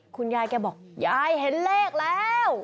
คุณยายแกบอกยายเห็นเลขแล้ว